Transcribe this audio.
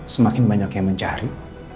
semakin banyak yang mencari